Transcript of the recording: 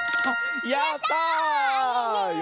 やった！